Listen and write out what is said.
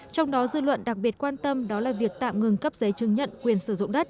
trong đó dư luận đặc biệt quan tâm đó là việc tạm ngừng cấp giấy chứng nhận quyền sử dụng đất